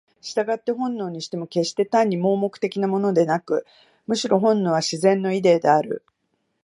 従って本能にしても決して単に盲目的なものでなく、むしろ本能は「自然のイデー」である。